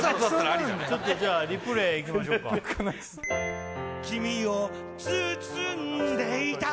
ちょっとじゃあリプレーいきましょうか君を包んでいた